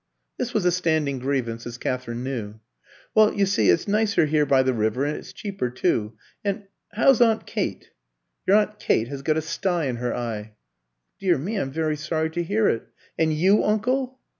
This was a standing grievance, as Katherine knew. "Well, you see, it's nicer here by the river, and it's cheaper too; and how's aunt Kate?" "Your aunt Kate has got a stye in her eye." "Dear me, I'm very sorry to hear it. And you, uncle?"